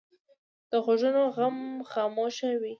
د غوږونو غم خاموش وي